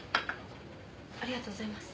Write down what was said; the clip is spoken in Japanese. ありがとうございます。